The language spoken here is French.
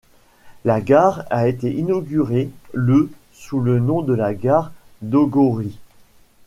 La gare a été inaugurée le sous le nom de gare d'Ogōri.